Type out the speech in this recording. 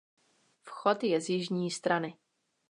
Vchod je z jižní strany.